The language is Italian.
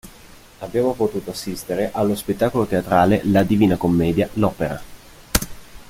Abbiamo potuto assistere allo spettacolo teatrale "La Divina Commedia – L'opera".